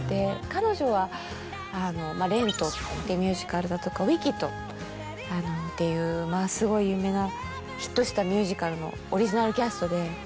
彼女は『レント』ってミュージカルだとか『ウィキッド』っていうすごい有名なヒットしたミュージカルのオリジナルキャストで。